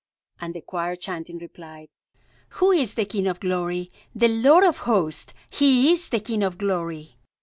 '" And the choir chanting, replied: "Who is the King of glory? The Lord of hosts He is the King of glory."